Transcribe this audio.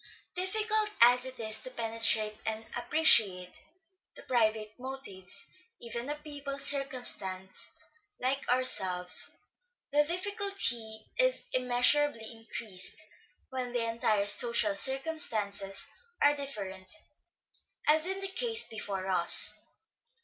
Difficult as it is to penetrate and appreciate the private motives even of people circumstanced like ourselves, the difficulty is immeasurably increased when the entire social circumstances are different, as in the case before us.